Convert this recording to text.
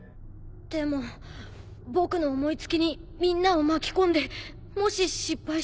でも僕の思い付きにみんなを巻き込んでもし失敗したら。